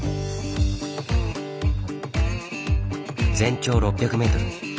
全長６００メートル。